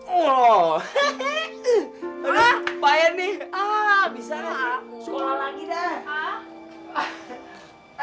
god saya sudah tepat disini